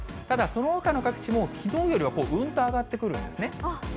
ただそのほかの各地も、きのうよりはうんと上がってくるんですね。